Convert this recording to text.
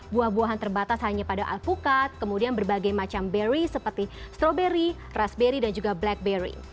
buah buahan terbatas hanya pada alpukat kemudian berbagai macam berry seperti stroberi raspberry dan juga blackberry